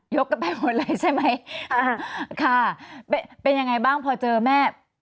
กันไปหมดเลยใช่ไหมอ่าค่ะเป็นยังไงบ้างพอเจอแม่